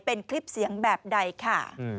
เป็นคลิปเสียงแบบใดค่ะ